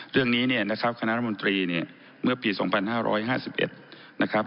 เรื่องนี้เนี่ยนะครับคณะรัฐมนตรีเนี่ยเมื่อปี๒๕๕๑นะครับ